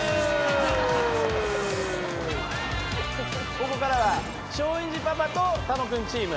ここからは松陰寺パパと楽君チーム。